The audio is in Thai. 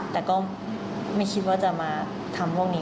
แต่ก็ไม่คิดว่าจะมาทำพวกนี้